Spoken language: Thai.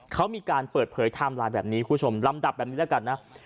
เขามีการเปิดเผยไทม์ไลน์แบบนี้คุณผู้ชมลำดับแบบนี้แล้วกันนะ